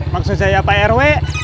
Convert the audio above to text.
maksud saya pak rw